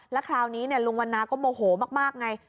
แล้วคราวนี้ลุงวันนาก็โมโหมากไง